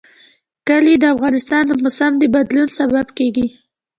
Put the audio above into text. کلي د افغانستان د موسم د بدلون سبب کېږي.